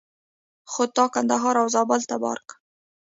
خو تا کندهار او زابل ته بار کړه.